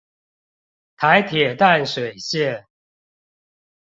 臺鐵淡水線